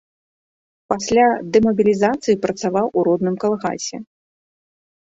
Пасля дэмабілізацыі працаваў у родным калгасе.